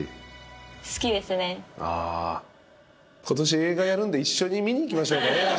今年映画やるんで一緒に見にいきましょうかね。